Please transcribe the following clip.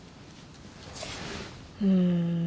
うん。